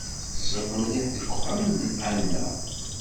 Teḍḍseḍ mliḥ deg wexxam n Ana?